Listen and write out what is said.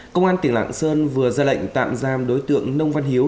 công an tỉnh lạng sơn vừa ra lệnh tạm giam đối tượng nông văn hiếu